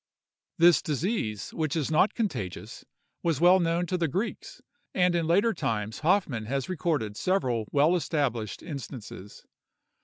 This disease, which is not contagious, was well known to the Greeks; and in later times Hoffmann has recorded several well established instances.